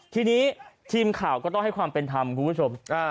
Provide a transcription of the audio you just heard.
ทีนี้ทีมข่าวก็ต้องให้ความเป็นธรรมคุณผู้ชม